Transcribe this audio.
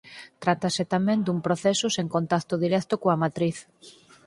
Trátase tamén dun proceso sen contacto directo coa matriz.